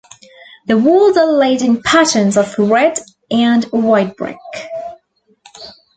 The walls are laid in patterns of red and white brick.